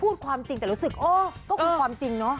ความจริงแต่รู้สึกโอ้ก็คือความจริงเนาะ